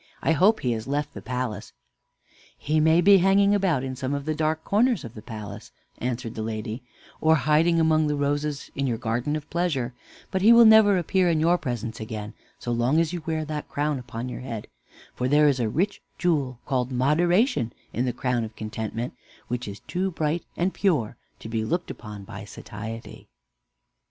I hope he has left the palace." "He may be hanging about in some dark corners of the palace," answered the lady, "or hiding among the roses in your garden of Pleasure; but he will never appear in your presence again, so long as you wear that crown upon your head; for there is a rich jewel called Moderation in the crown of Contentment which is too bright and pure to be looked upon by Satiety."